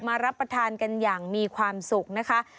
รับประทานกันอย่างมีความสุขนะคะ